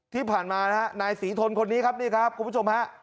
ที่ผ่านมานะฮะนายศรีทนคนนี้ครับนี่ครับคุณผู้ชมฮะ